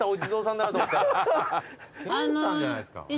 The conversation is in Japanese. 研さんじゃないですか。